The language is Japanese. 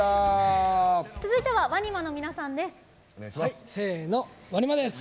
続いてはＷＡＮＩＭＡの皆さんです。